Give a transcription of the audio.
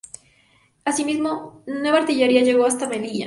Así mismo, nueva artillería llegó hasta Melilla.